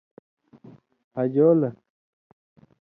”ہجو لکھ“